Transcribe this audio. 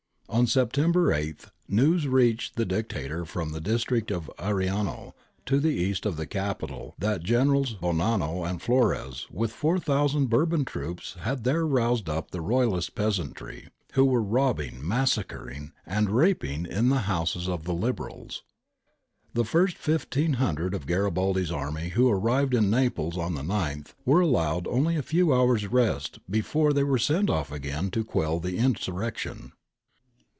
On September 8 news reached the Dictator from the district of Ariano to the east of the capital that Generals Bonanno and Flores with 4000 Bourbon troops had there roused up the Royalist peasantry, who were robbing, massacring, and raping in the houses of the Liberals. The first 1 500 of Garibaldi's army who arrived in Naples on the 9th were allowed only a few hours' rest before they were sent off again to quell the insurrection.